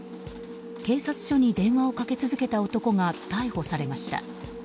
警察署に電話をかけ続けた男が逮捕されました。